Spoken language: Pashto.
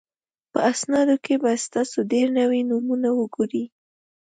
په اسنادو کې به تاسو ډېر نوي نومونه وګورئ.